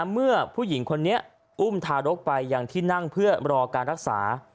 เมื่อผู้หญิงคนนี้อุ้มทารกไปยังที่นั่งเพื่อรอการรักษา